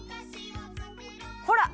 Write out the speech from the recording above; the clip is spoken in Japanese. ほら！